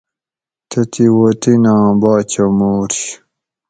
تتھی وطیناں باچہ مُورش